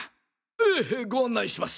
ええご案内します！